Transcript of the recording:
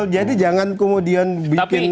jadi jangan kemudian bikin